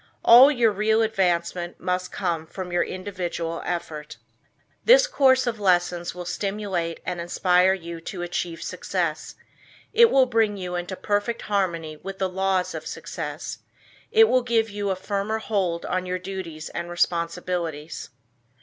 All your real advancement must come from your individual effort. This course of lessons will stimulate and inspire you to achieve success; it will bring you into perfect harmony with the laws of success. It will give you a firmer hold on your duties and responsibilities.